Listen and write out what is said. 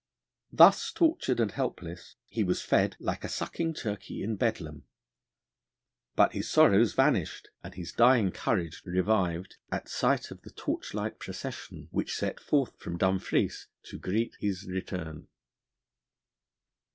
Thus tortured and helpless, he was fed 'like a sucking turkey in Bedlam'; but his sorrows vanished, and his dying courage revived at sight of the torchlight procession, which set forth from Dumfries to greet his return.